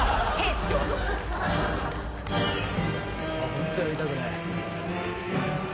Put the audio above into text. ホントやりたくない。